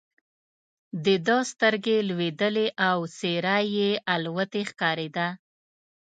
د ده سترګې لوېدلې او څېره یې الوتې ښکارېده.